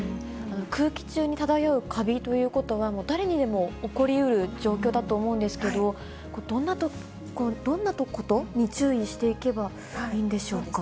空気中に漂うカビということは、もう誰にでも起こりうる状況だと思うんですけど、どんなことに注意していけばいいんでしょうか？